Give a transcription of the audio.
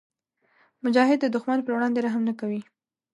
مجاهد د دښمن پر وړاندې رحم نه کوي.